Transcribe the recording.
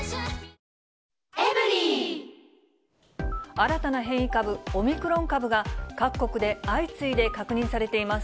新たな変異株、オミクロン株が、各国で相次いで確認されています。